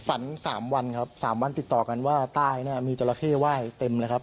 สามวันครับ๓วันติดต่อกันว่าใต้เนี่ยมีจราเข้ไหว้เต็มเลยครับ